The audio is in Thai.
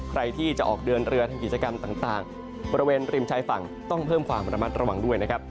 ใครที่จะออกเดินเรือทำกิจกรรมต่างบริเวณริมชายฝั่งต้องเพิ่มความระมัดระวังด้วยนะครับ